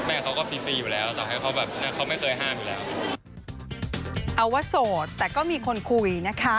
อ้าวว่าโสดแต่ก็มีคนคุยนะคะ